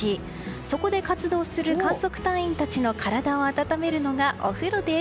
そこで活動する観測隊員たちの体を温めるのが、お風呂です。